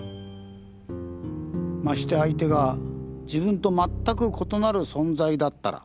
まして相手が自分とまったく異なる存在だったら。